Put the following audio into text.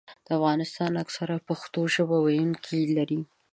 افغانستان اکثراً پښتو ژبه ویونکي لري.